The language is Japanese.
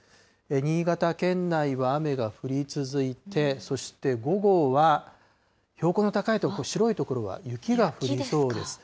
新潟県内は雨が降り続いて、そして午後は標高の高い所、白い所は雪が降りそうです。